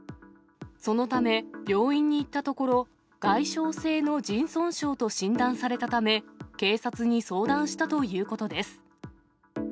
そのため、病院に行ったところ、外傷性の腎損傷と診断されたため、警察に相談したということです。